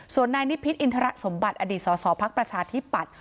ส่วนในนิพิษอินทรสมบัติอดีตสอสอภักดิ์ประชาธิปัตย์